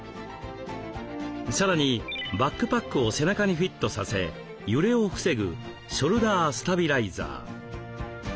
さらにバックパックを背中にフィットさせ揺れを防ぐショルダースタビライザー。